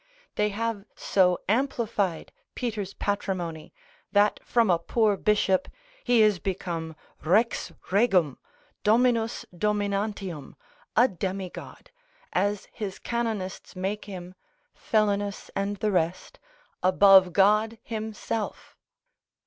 They have so amplified Peter's patrimony, that from a poor bishop, he is become Rex Regum, Dominus dominantium, a demigod, as his canonists make him (Felinus and the rest), above God himself.